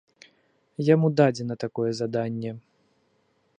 Яму дадзена такое заданне.